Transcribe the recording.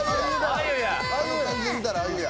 あの感じで見たらあゆや。